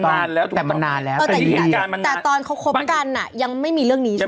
แต่มันนานแล้วแต่มันนานแล้วแต่ที่เหตุการณ์มันนานแต่ตอนเขาคบกันอ่ะยังไม่มีเรื่องนี้ใช่ไหม